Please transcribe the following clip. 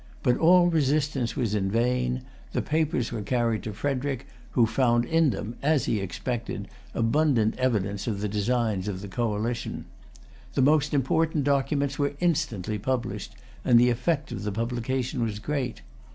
But all resistance was vain. The papers were carried to Frederic, who found in them, as he expected, abundant evidence of the designs of the coalition. The most important documents were instantly published, and the effect of the publication was great.